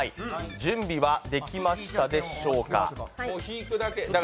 準備はできましたでしょうか？